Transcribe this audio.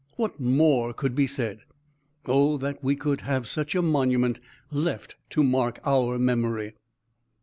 What more could be said? O that we could have such a monument left to mark our memory.